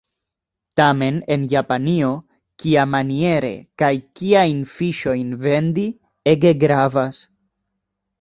Tamen en Japanio kiamaniere kaj kiajn fiŝojn vendi ege gravas.